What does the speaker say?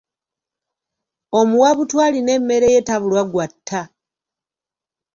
Omuwabutwa alina emmere ye tabulwa gw’atta.